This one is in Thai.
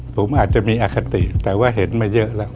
ผมอาจจะมีอคติแต่ว่าเห็นมาเยอะแล้ว